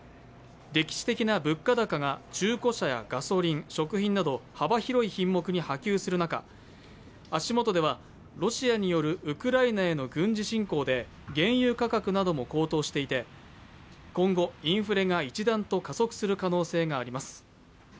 歴史的な物価高が中古車やガソリン、食品など幅広い品目に波及する中、足元ではロシアによるウクライナへの軍事侵攻で原油価格なども高騰していて、今後、インフレが一段と加速する可能性があります。